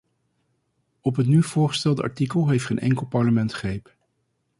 Op het nu voorgestelde artikel heeft geen enkel parlement greep.